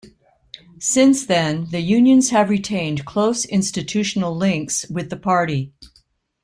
Since then, the unions have retained close institutional links with the Party.